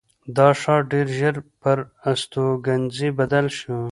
دا ښار ډېر ژر پر استوګنځي بدل شو.